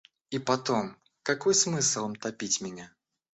И потом, какой смысл им топить меня?